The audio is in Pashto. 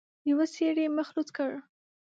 يوه سړي مخ لوڅ کړ.